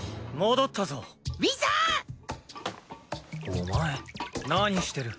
お前何してる？